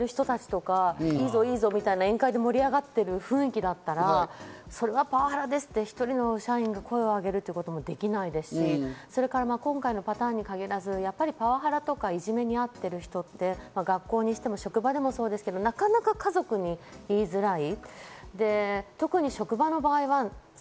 笑っている人たちとか、いいぞいいぞみたいな展開で盛り上がってる雰囲気だったら、それはパワハラですって１人の社員が声を上げるということもできないですし、今回のパターンに限らずパワハラとかいじめに遭っている人って、学校にしても職場でもそうですけど、なかなか家族に言いづらい。